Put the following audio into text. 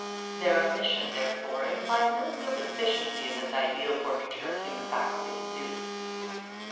Their omission, therefore, implies no real deficiency in this ideal portraiture of human faculties and duties.